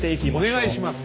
お願いします。